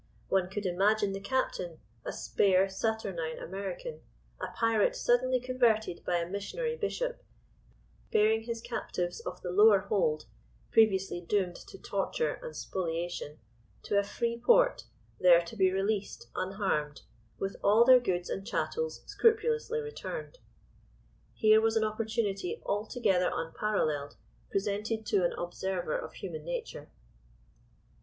One could imagine the captain—a spare, saturnine American—a pirate, suddenly converted by a missionary bishop—bearing his captives of the lower hold, previously doomed to torture and spoliation, to a free port, there to be released, unharmed, with all their goods and chattels scrupulously returned. Here was an opportunity altogether unparalleled, presented to "an observer of human nature."